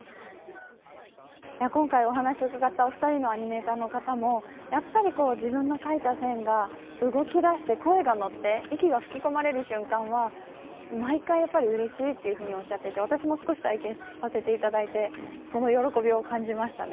今回お話を伺ったお二人のアニメーターの方もやっぱり自分の描いた線が動き出して声が乗って息が吹き込まれる瞬間は毎回うれしいというふうにおっしゃっていて、私も少し体験をしていただいてその喜びを感じました。